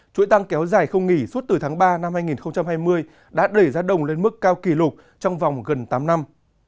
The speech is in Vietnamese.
chuỗi tăng kéo dài không nghỉ suốt từ tháng ba năm hai nghìn hai mươi đã đẩy giá đồng lên mức cao kỷ lục trong vòng gần tám năm